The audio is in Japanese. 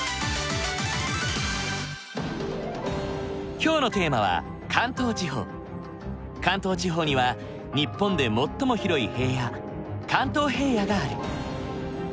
今日のテーマは関東地方には日本で最も広い平野関東平野がある。